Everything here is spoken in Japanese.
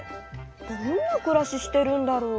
どんなくらししてるんだろう？